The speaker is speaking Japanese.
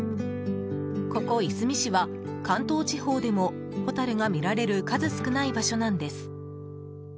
ここ、いすみ市は関東地方でもホタルが見られる数少ない場所なんです。